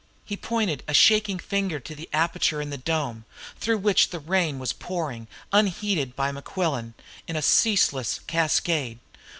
He pointed a shaking finger to the aperture in the dome, through which the rain was pouring, unheeded by Mequillen, in a ceaseless cascade.